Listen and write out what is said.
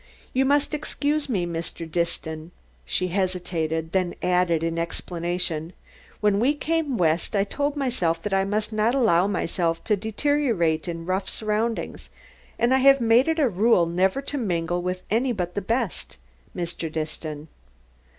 "You must excuse me, Mr. Disston." She hesitated, then added in explanation: "When we came West I told myself that I must not allow myself to deteriorate in rough surroundings, and I have made it a rule never to mingle with any but the best, Mr. Disston.